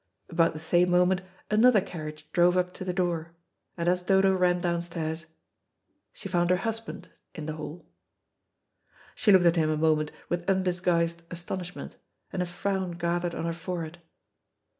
About the same moment another carriage drove up to the door, and as Dodo ran downstairs she found her husband in the hall. She looked at him a moment with undisguised astonishment, and a frown gathered on her forehead.